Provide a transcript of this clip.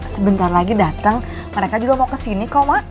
sebentar lagi datang mereka juga mau kesini kok mak